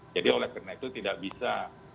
jadi oleh karena itu tidak bisa